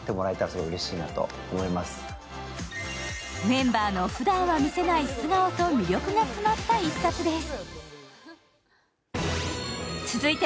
メンバーのふだんは見せない素顔と魅力が詰まった１冊です。